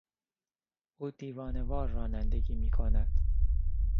او دیوانهوار رانندگی میکند.